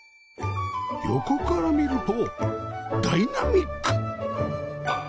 横から見るとダイナミック